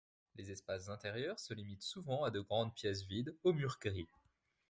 Les espaces intérieurs se limitent souvent à de grandes pièces vides, aux murs gris.